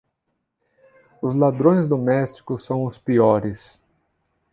Os ladrões domésticos são os piores.